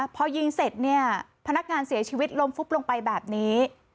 พอยิงเสร็จเนี่ยพนักงานเสียชีวิตล้มฟุบลงไปแบบนี้